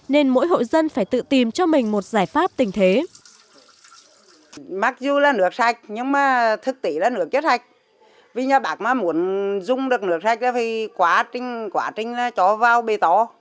nên mỗi hộ dân phải tự tìm cho mình một giải pháp tình thế